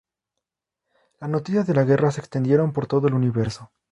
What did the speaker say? Las noticias de la guerra se extendieron por todo el universo.